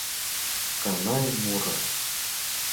Канай муро